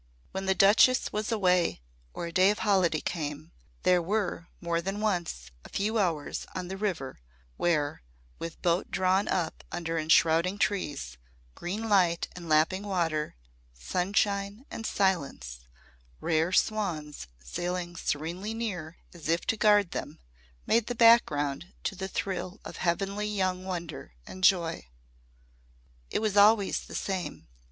When the Duchess was away or a day of holiday came, there were, more than once, a few hours on the river where, with boat drawn up under enshrouding trees, green light and lapping water, sunshine and silence, rare swans sailing serenely near as if to guard them made the background to the thrill of heavenly young wonder and joy. It was always the same.